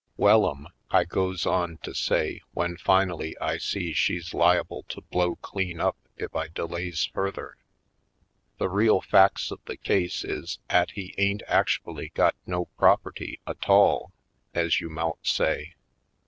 "Wellum," I goes on to say when finally I sees she's liable to blow clean up if I de lays further, "the real facts of the case is 'at he ain't actually got no property a tall, ez you mout say.